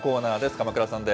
鎌倉さんです。